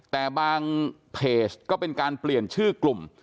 แต่บางเพจก็เป็นการเปลี่ยนชื่อกลุ่ม